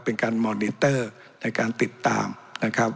เป็นการมอนิเตอร์ในการติดตามนะครับ